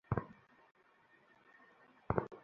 লিক্লেয়ার call দিয়েছেন।